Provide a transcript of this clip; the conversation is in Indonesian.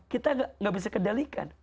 kita nggak bisa kendalikan